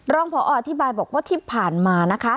ผออธิบายบอกว่าที่ผ่านมานะคะ